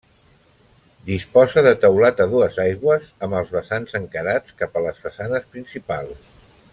Disposa de teulat a dues aigües, amb els vessants encarats cap a les façanes principals.